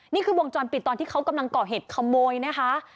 นี่คือวงจรปิดตอนที่เขากำลังก่อเหตุขโมยนะคะ